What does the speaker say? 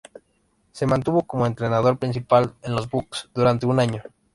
Se mantuvo como entrenador principal en los Bucks durante un año.